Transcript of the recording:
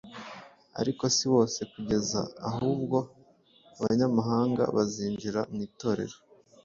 ariko si bose, kugeza ubwo abanyamahanga bazinjira mu Itorero,